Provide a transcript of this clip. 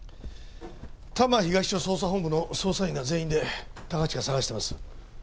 多摩東署捜査本部の捜査員が全員で高近捜してます。